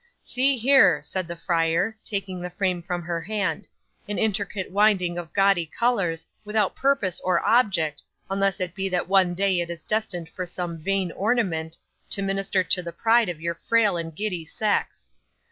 '"See here," said the friar, taking the frame from her hand, "an intricate winding of gaudy colours, without purpose or object, unless it be that one day it is destined for some vain ornament, to minister to the pride of your frail and giddy sex.